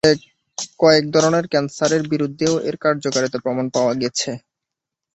কয়েক ধরনের ক্যান্সারের বিরুদ্ধেও এর কার্যকারিতার প্রমাণ পাওয়া গেছে।